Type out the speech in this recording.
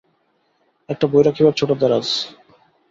একটা বই রাখিবার ছোট দেরাজ।